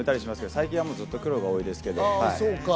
最近はずっと黒が多いですけど。